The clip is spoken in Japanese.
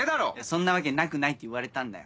そんなわけなくないって言われたんだよ。